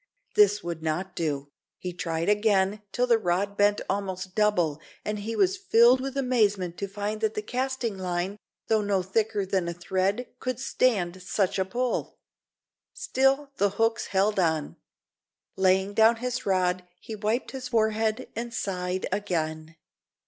This would not do. He tried again till the rod bent almost double, and he was filled with amazement to find that the casting line, though no thicker than a thread, could stand such a pull. Still the hooks held on. Laying down his rod, he wiped his forehead and sighed again.